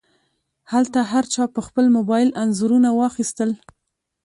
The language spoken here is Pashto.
هلته هر چا په خپل موبایل انځورونه واخیستل.